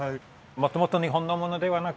もともと日本のものではなく。